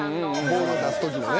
ボールを出す時のね。